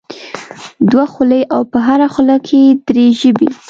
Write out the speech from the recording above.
دوه خولې او په هره خوله کې درې ژبې.